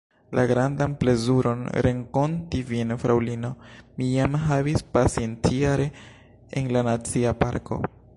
La grandan plezuron renkonti vin, fraŭlino, mi jam havis pasintjare en la Nacia Parko.